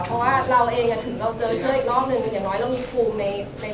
เพราะว่าเราเองถึงเราเจอเชื่ออีกรอบนึง